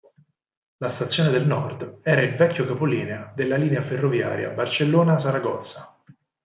La stazione del Nord era il vecchio capolinea della linea ferroviaria Barcellona-Saragozza.